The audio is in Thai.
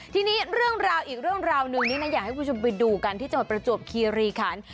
ทีนี้เรื่องราวอีกเรื่องราวหนึ่งนี่นะอยากให้คุณผู้ชมไปดูกันที่จังหวัดประจวบคีรีคัน